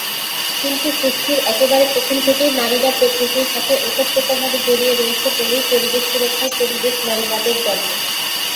কিন্তু সৃষ্টির একেবারে প্রথম থেকেই নারীরা প্রকৃতির সাথে ওতপ্রোতভাবে জড়িয়ে রয়েছে বলেই পরিবেশ সুরক্ষায় পরিবেশ নারীবাদের জন্ম।